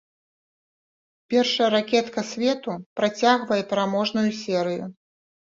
Першая ракетка свету працягвае пераможную серыю.